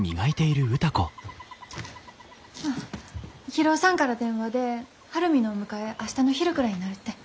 博夫さんから電話で晴海のお迎え明日の昼くらいになるって。